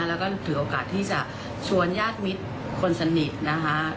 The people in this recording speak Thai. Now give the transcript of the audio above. แล้วก็ถือโอกาสที่จะชวนญาติมิตรคนสนิทนะคะ